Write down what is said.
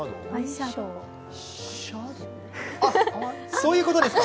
そういうことですか！